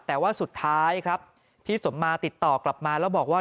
แต่ว่าสุดท้ายครับพี่สมมาติดต่อกลับมาแล้วบอกว่า